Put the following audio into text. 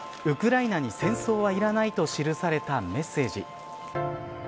ウクライナに戦争はいらないと示されたメッセージ。